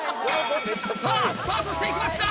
さぁスタートしていきました！